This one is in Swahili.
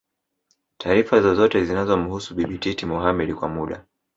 taarifa zozote zinazomhusu Bibi Titi Mohamed Kwa muda